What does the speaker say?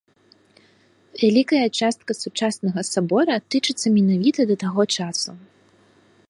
Вялікая частка сучаснага сабора тычыцца менавіта да таго часу.